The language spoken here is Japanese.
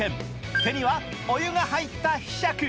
手にはお湯が入ったひしゃく。